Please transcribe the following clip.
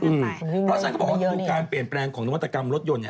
เพราะฉันก็บอกว่าการเปลี่ยนแปลงของนวัตกรรมรถยนต์